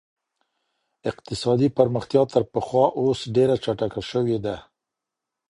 اقتصادي پرمختيا تر پخوا اوس ډېره چټکه سوې ده.